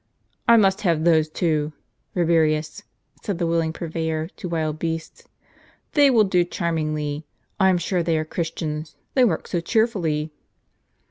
" I must have those two, Kabirius," said the willing pur veyor to wild beasts ;" they will do charmingly. I am sure they are Christians, they work so cheerfully."